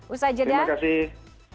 usai jeda terima kasih